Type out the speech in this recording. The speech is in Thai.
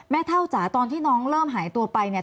เท่าจ๋าตอนที่น้องเริ่มหายตัวไปเนี่ย